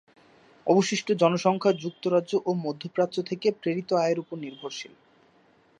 অবশিষ্ট জনসংখ্যা যুক্তরাজ্য ও মধ্যপ্রাচ্য থেকে প্রেরিত আয়ের উপর নির্ভরশীল।